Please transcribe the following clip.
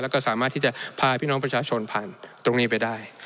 แล้วก็สามารถที่จะพาพี่น้องประชาชนผ่านตรงนี้ไปได้